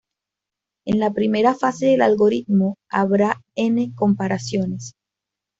En la primera fase del algoritmo habrá n comparaciones.